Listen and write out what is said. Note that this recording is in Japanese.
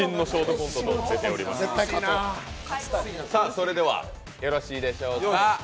それでは、よろしいでしょうか。